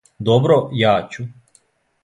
Добро, ја ћу.